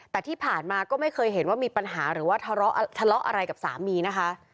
แต่ที่ผ่านมาก็ไม่เคยเห็นว่ามีปัญหาหรือว่าทะเลาะอะไรกับสามีนะคะ